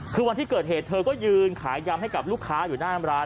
คือวันที่เกิดเหตุเธอก็ยืนขายยำให้กับลูกค้าอยู่หน้าร้าน